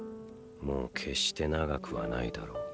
もう決して長くはないだろう。